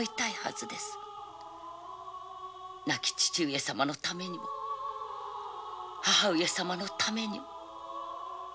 亡き父上様のタメにも母上様のタメにも。